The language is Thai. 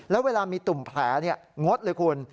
แล้วเวลามีตุ่มแผลงดเลยคุณ